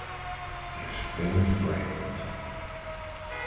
You've Been Framed!